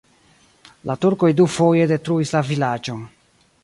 La turkoj dufoje detruis la vilaĝon.